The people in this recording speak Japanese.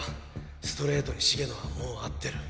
ストレートに茂野はもう合ってる。